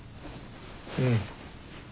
うん。